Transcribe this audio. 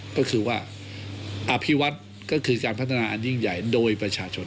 ก็คือว่าอภิวัตก็คือการพัฒนาอันยิ่งใหญ่โดยประชาชน